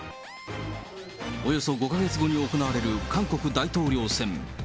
およそ５か月後に行われる韓国大統領選。